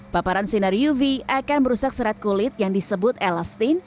paparan sinar uv akan merusak serat kulit yang disebut elastin